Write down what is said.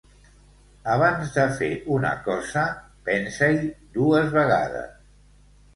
Abans de fer una cosa, pensa-hi dues vegades.